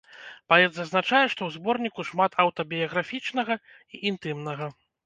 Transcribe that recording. Паэт зазначае, што ў зборніку шмат аўтабіяграфічнага і інтымнага.